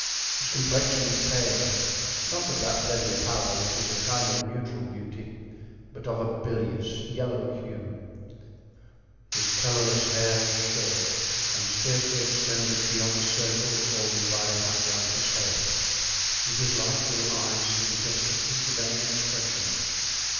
His complexion was pale, not of that deadly pallor which is a kind of neutral beauty, but of a bilious, yellow hue; his colorless hair was short and scarcely extended beyond the circle formed by the hat around his head, and his light blue eyes seemed destitute of any expression.